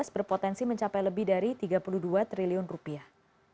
dua ribu sembilan belas berpotensi mencapai lebih dari tiga puluh dua triliun rupiah